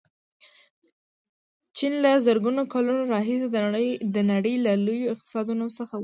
چین له زرګونو کلونو راهیسې د نړۍ له لویو اقتصادونو څخه و.